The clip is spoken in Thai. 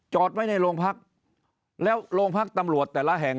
ไว้ในโรงพักแล้วโรงพักตำรวจแต่ละแห่ง